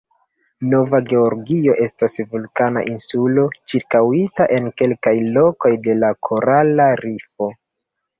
Nova Georgio estas vulkana insulo, ĉirkaŭita en kelkaj lokoj de korala rifo.